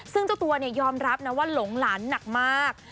ซึ่งเจ้าตัวยอมรับนะว่าหลงหลานหนักมาก